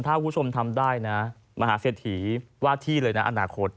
ถ้าคุณผู้ชมทำได้นะมหาเศรษฐีว่าที่เลยนะอนาคต